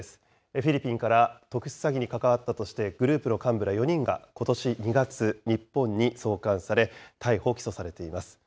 フィリピンから特殊詐欺に関わったとして、グループの幹部ら４人が、ことし２月、日本に送還され、逮捕・起訴されています。